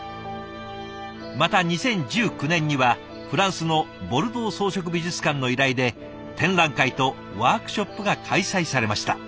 また２０１９年にはフランスのボルドー装飾美術館の依頼で展覧会とワークショップが開催されました。